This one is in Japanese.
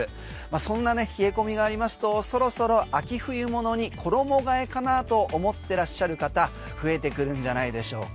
そんなね冷え込みがありますとそろそろ秋冬物に衣替えかなと思ってらっしゃる方増えてくるんじゃないでしょうか。